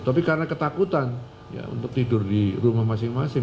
tapi karena ketakutan untuk tidur di rumah masing masing